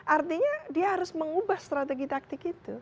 artinya dia harus mengubah strategi taktik itu